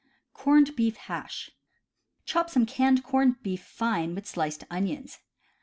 Corned Beef Hash. — Chop some canned corned beef fine with sliced onions.